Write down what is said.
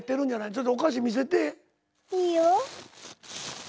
いいよ。